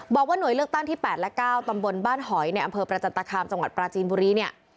บอกว่าหน่วยเลือกตั้งที่๘และ๙ตำบลบ้านหอยในอำเภอประจันตคามจังหวัดปราจีนบุรีเนี่ย